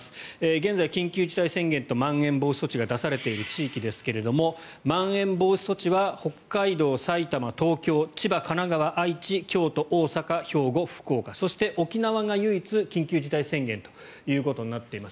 現在、緊急事態宣言とまん延防止措置が出されている地域ですがまん延防止措置は北海道、埼玉東京千葉、神奈川、愛知、京都、大阪兵庫、福岡そして沖縄が唯一緊急事態宣言となっています。